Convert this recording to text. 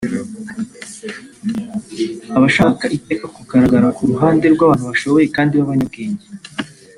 aba ashaka iteka kugaragara ku ruhande rw’abantu bashoboye kandi b’abanyabwenge